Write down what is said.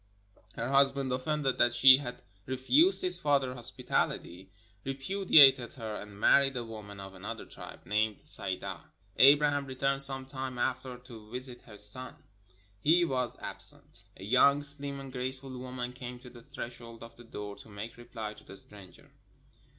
Her husband, offended that she had refused his father hospitality, repudiated her and married a woman of another tribe, named Sayda. Abraham returned some time after to visit his son. He was absent. A young, slim, and graceful woman came to the threshold of the door to make reply to the stranger.